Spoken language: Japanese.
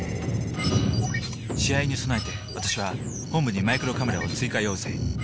試合に備えて私は本部にマイクロカメラを追加要請。